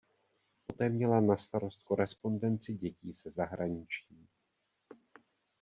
Poté měla na starost korespondenci dětí se zahraničím.